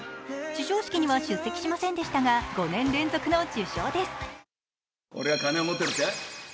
授賞式には出席しませんでしたが５年連続の受賞です。